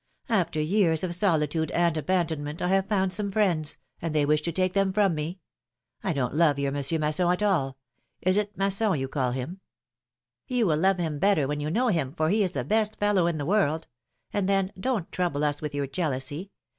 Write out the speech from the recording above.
^^After years of soli tude and abandonment, I have found some friends, and they wish to take them from me! I don't love your Monsieur Masson at all — is it Masson you call him?" ^^You will love him better when you know him, for he is the best fellow in the world I And then, don't trouble us with your jealousy